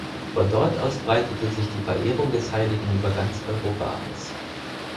Von dort aus breitete sich die Verehrung des Heiligen über ganz Europa aus.